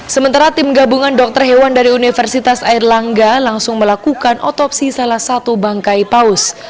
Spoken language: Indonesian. sementara tim gabungan dokter hewan dari universitas airlangga langsung melakukan otopsi salah satu bangkai paus